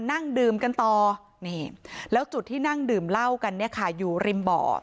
นั่งดื่มกันต่อนี่แล้วจุดที่นั่งดื่มเหล้ากันเนี่ยค่ะอยู่ริมบ่อ